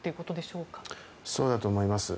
そうだと思います。